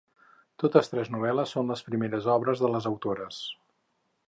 Totes tres novel·les són les primeres obres de les autores.